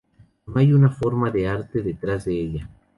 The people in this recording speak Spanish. No hay una forma de arte detrás de ella.